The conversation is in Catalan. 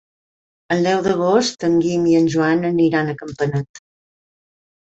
El deu d'agost en Guim i en Joan aniran a Campanet.